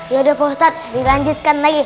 yaudah pak ustadz dilanjutkan lagi